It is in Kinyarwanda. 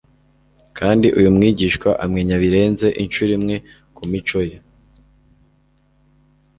kandi uyu mwigishwa amenya birenze inshuro imwe ko imico ye